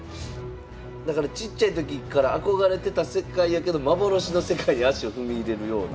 だからちっちゃい時から憧れてた世界やけど幻の世界に足を踏み入れるような。